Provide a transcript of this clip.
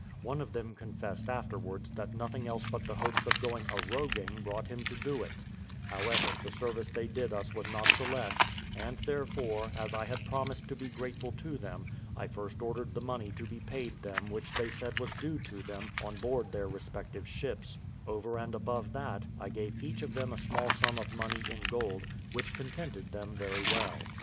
One of them confessed afterwards that nothing else but the hopes of going a roguing brought him to do it: however, the service they did us was not the less, and therefore, as I had promised to be grateful to them, I first ordered the money to be paid them which they said was due to them on board their respective ships: over and above that, I gave each of them a small sum of money in gold, which contented them very well.